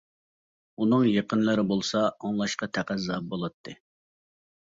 ئۇنىڭ يېقىنلىرى بولسا ئاڭلاشقا تەقەززا بولاتتى.